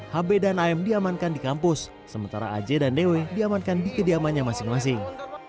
hb dan am diamankan di kampus sementara aj dan dw diamankan di kediamannya masing masing